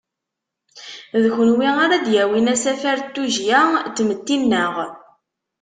D kunwi ara d-yawin asafar n tujjya n tmetti-nneɣ.